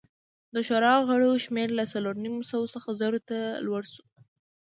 د شورا غړو شمېر له څلور نیم سوه څخه زرو ته لوړ شو